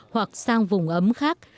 hoặc sang vùng ấm khác